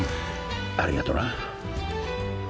ありがとな。